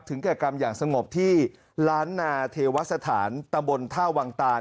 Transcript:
แก่กรรมอย่างสงบที่ล้านนาเทวสถานตะบนท่าวังตาน